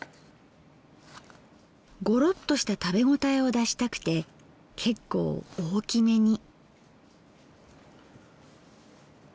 ゴロッとした食べ応えを出したくて結構大きめに。